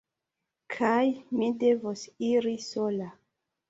Kaj mi devos iri sola.